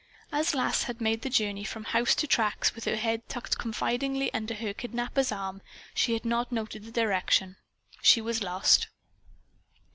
As Lass had made the journey from house to tracks with her head tucked confidingly under her kidnaper's arm, she had not noted the direction. She was lost.